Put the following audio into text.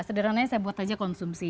sederhananya saya buat saja konsumsi